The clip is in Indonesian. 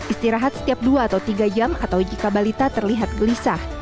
istirahat setiap dua atau tiga jam atau jika balita terlihat gelisah